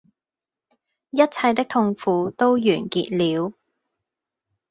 一切的痛苦都完結了